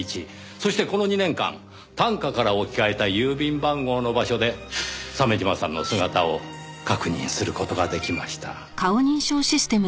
そしてこの２年間短歌から置き換えた郵便番号の場所で鮫島さんの姿を確認する事ができました。